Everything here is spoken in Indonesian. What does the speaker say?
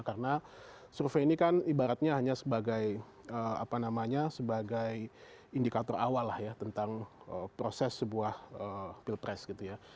karena survei ini kan ibaratnya hanya sebagai apa namanya sebagai indikator awal lah ya tentang proses sebuah pilpres gitu ya